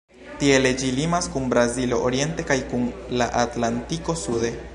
Tiele ĝi limas kun Brazilo oriente kaj kun la Atlantiko sude.